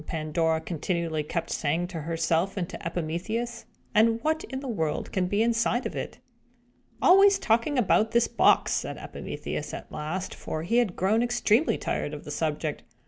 Pandora continually kept saying to herself and to Epimetheus. "And what in the world can be inside of it?" "Always talking about this box!" said Epimetheus, at last; for he had grown extremely tired of the subject.